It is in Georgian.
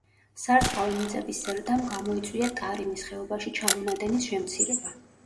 სარწყავი მიწების ზრდამ გამოიწვია ტარიმის ხეობაში ჩამონადენის შემცირება.